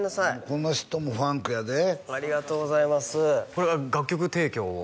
これは楽曲提供を？